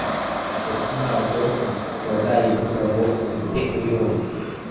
kuko ntabwo bazayivuga ngo uhite uyumva